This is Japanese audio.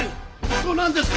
どうなんですか？